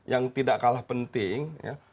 yang tidak kalah penting